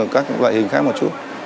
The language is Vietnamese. các loại hình khác một chút